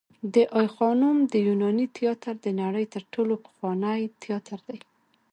د آی خانم د یوناني تیاتر د نړۍ تر ټولو پخوانی تیاتر دی